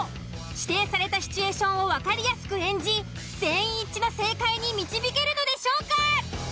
指定されたシチュエーションをわかりやすく演じ全員一致の正解に導けるのでしょうか。